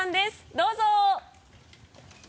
どうぞ！